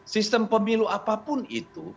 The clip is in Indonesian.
sistem pemilu apapun itu